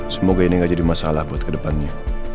semoga ini tidak menjadi masalah untuk ke depannya